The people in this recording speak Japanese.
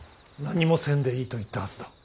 何もせんでいいと言ったはずだ。